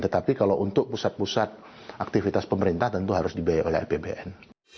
tetapi kalau untuk pusat pusat aktivitas pemerintah tentu harus dibiayai oleh apbn